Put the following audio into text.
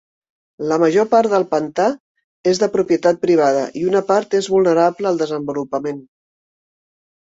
La major part del pantà és de propietat privada i una part és vulnerable al desenvolupament.